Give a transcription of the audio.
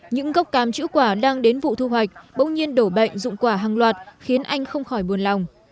những gốc cám chữ quả đang đến vụ thu hoạch bỗng nhiên đổ bệnh dụng quả hàng loạt khiến anh không khỏi buồn lòng